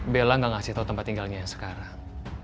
bella gak ngasih tau tempat tinggalnya sekarang